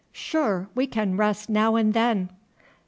Sure, we can rest now and then!"